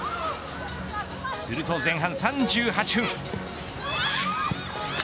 すると前半３８分。